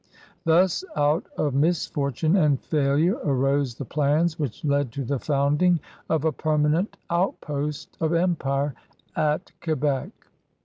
Thus out of misfortune and failure arose the plans which led to the founding of a permanent outpost of empire at Quebec.